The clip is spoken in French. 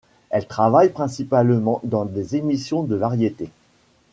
Elle travaille principalement dans des émissions de variétés.